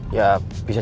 ya bisa jadi